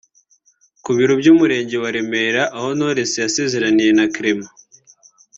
Ku biro by’Umurenge wa Remera aho Knowless yasezeraniye na Clement